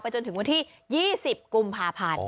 จนถึงวันที่๒๐กุมภาพันธ์